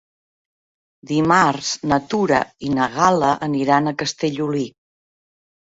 Dimarts na Tura i na Gal·la aniran a Castellolí.